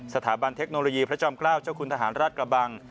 สถาบันเทคโนโลยีพระจอมคร่าวเจ้าคุณทหารรัฐกระบัง